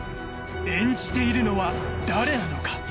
演じているのは誰なのか？